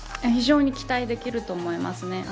非常に期待できると思いますね。